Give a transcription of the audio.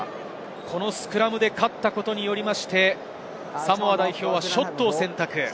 スクラムで勝ったことによって、サモア代表はショットを選択。